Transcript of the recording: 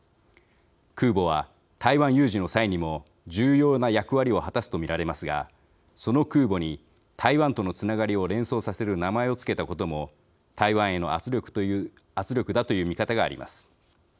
空母は、台湾有事の際にも重要な役割を果たすと見られますがその空母に台湾とのつながりを連想させる名前を付けたことも台湾への圧力だという見方があります。